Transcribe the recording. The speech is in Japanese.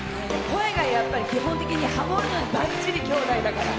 声が、基本的にハモリがばっちり、兄弟だから。